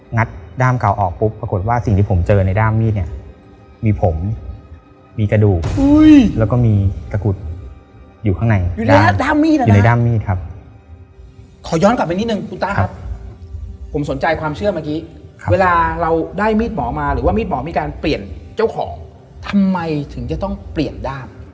อยู่ข้างในด้ามมีดนะครับคุณต้าครับผมสนใจความเชื่อเมื่อกี้เวลาเราได้มีดหมอมาหรือว่ามีดหมอมีการเปลี่ยนเจ้าของทำไมถึงจะต้องเปลี่ยนด้าม